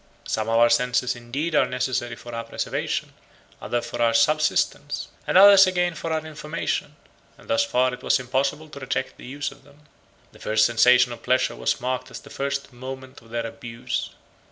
88 Some of our senses indeed are necessary for our preservation, others for our subsistence, and others again for our information; and thus far it was impossible to reject the use of them. The first sensation of pleasure was marked as the first moment of their abuse.